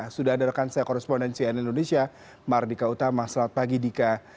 sudah ada rekan saya korespondensi nn indonesia mardika utama selamat pagi dika